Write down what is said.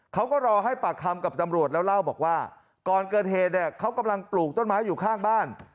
เขาก็รอให้ปากคำกับตำรวจแล้วเล่าบอกว่าก่อนเกิดเหตุเนี่ยเขากำลังปลูกต้นไม้อยู่ข้างบ้าน